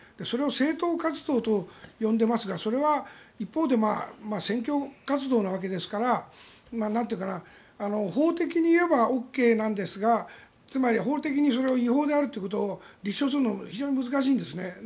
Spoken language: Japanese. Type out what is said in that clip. それを政党活動と呼んでいますがそれは一方で選挙活動のわけですから法的に言えばＯＫなんですがつまり、法的にそれを違法であると立証するのは非常に難しいんですね。